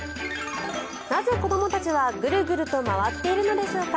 なぜ子どもたちはグルグルと回っているのでしょうか。